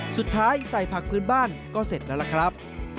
สุดท้ายใส่ผักพื้นบ้านก็เสร็จแล้วละครับ